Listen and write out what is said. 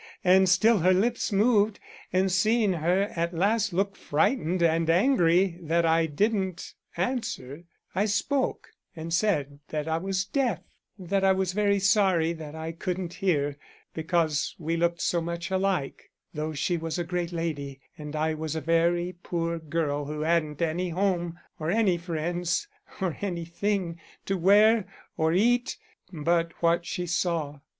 And still her lips moved, and seeing her at last look frightened and angry that I didn't answer, I spoke and said that I was deaf; that I was very sorry that I couldn't hear because we looked so much alike, though she was a great lady and I was a very, very poor girl who hadn't any home or any friends, or anything to wear or eat but what she saw.